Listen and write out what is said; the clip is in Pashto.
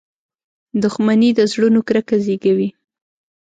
• دښمني د زړونو کرکه زیږوي.